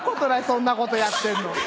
そんなことやってんの。